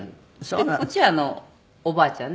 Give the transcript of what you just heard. でこっちはおばあちゃんね。